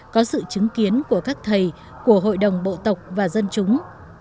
có sự chứng kiến của các thầy của hội đồng bộ tộc và dân chúng